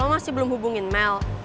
masih belum hubungin mel